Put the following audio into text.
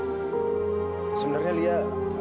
ibu senang bisa lihat lia